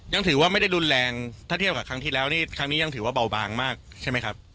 ยังถือว่าไม่ได้รุนแรงถ้าเทียบกับครั้งที่แล้วนี่ครั้งนี้ยังถือว่าเบาบางมากใช่ไหมครับ